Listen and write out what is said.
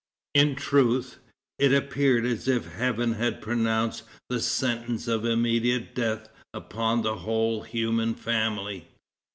It truth, it appeared as if Heaven had pronounced the sentence of immediate death upon the whole human family.